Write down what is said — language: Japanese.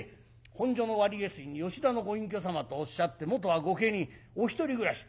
本所の割下水に吉田のご隠居様とおっしゃって元は御家人お一人暮らし。